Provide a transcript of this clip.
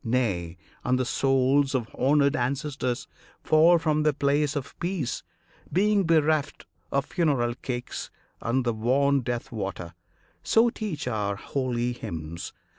Nay, and the souls of honoured ancestors Fall from their place of peace, being bereft Of funeral cakes and the wan death water.[FN#1] So teach our holy hymns.